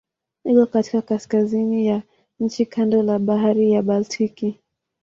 Iko katika kaskazini ya nchi kando la Bahari ya Baltiki.